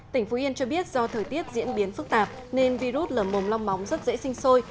tỉnh phú yên cho biết do thời tiết diễn biến phức tạp nên virus lở mồm long móng rất dễ sinh sôi